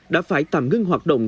đã phải tạm ngưng hoạt động